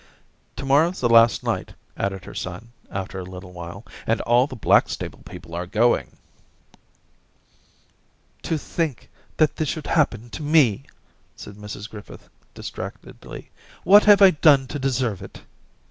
* To morrow's the last night,' added her son, after a little while, * and all the Black stable people are going*' ' To think that this should happen to me 1 ' said Mrs Griffith, distractedly. * What have I done to deserve it.